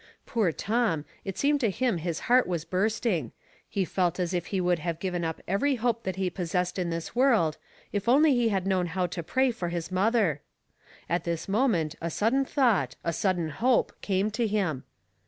Poor Tom, it seemed to him his heart was bursting ; he felt as if he would have given up every hope that he possessed in thia world if only he had known how to pray for hia mother. At this moment a sudden thought, a Budden hope, came to him.